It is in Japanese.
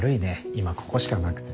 今ここしかなくて。